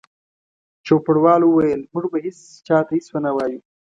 چوپړوال وویل: موږ به هیڅ چا ته هیڅ ونه وایو.